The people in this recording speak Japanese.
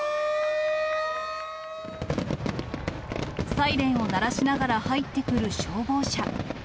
サイレンを鳴らしながら入ってくる消防車。